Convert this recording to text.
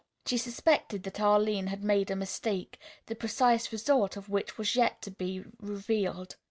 She suspected that Arline had made a mistake, the precise result of which was yet to be revealed.